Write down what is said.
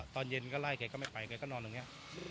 ตอนเย็นก็ไล่แกก็ไม่ไปแกก็นอนตรงนี้